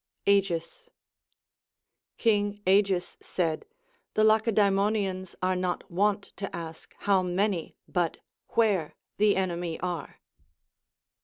Agis. Kina• Agis said. The Lacedaemonians are not v/ont to ask how many, but where the enemy are.